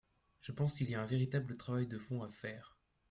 Je pense qu’il y a un véritable travail de fond à faire.